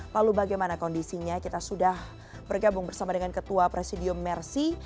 lalu bagaimana kondisinya kita sudah bergabung bersama dengan ketua presidium mercy